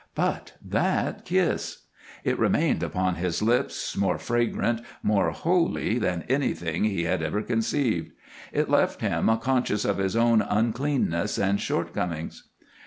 But that kiss! It remained upon his lips more fragrant, more holy than anything he had ever conceived. It left him conscious of his own uncleanliness and shortcomings.